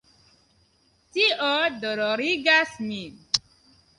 Tio dolorigas min.